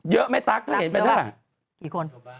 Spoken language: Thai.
เยอะแม่ตั๊กถ้าเห็นก็ได้